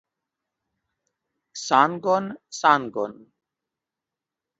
Sangon, sangon.